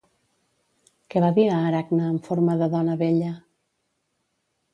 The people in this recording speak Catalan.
Què va dir a Aracne en forma de dona vella?